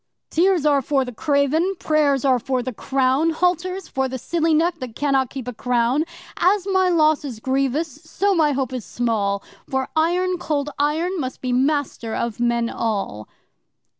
'Tears are for the craven, prayers are for the clown Halters for the silly neck that cannot keep a crown.' 'As my loss is grievous, so my hope is small, For Iron Cold Iron must be master of men all!